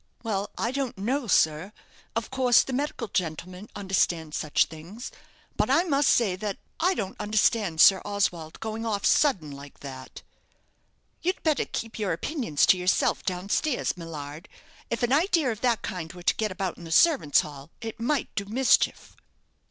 "Well, I don't know, sir. Of course the medical gentlemen understand such things; but I must say that I don't understand Sir Oswald going off sudden like that." "You'd better keep your opinions to yourself down stairs, Millard. If an idea of that kind were to get about in the servants' hall, it might do mischief."